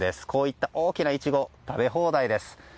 こういった大きなイチゴも食べ放題です。